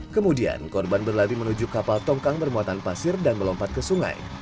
kemudian korban berlatih menuju kapal tongkang bermuatan pasir dan melompat ke sungai